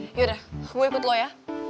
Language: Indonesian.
ya yaudah gue ikut lo ya